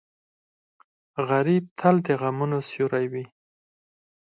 غریب تل د غمونو سیوری وي